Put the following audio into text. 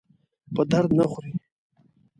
په درد نه خوري.